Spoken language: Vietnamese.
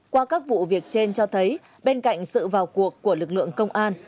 qua các vụ việc trên cho thấy bên cạnh sự vào cuộc của lực lượng công an